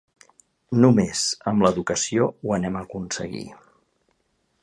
Només amb l’educació ho anem a aconseguir.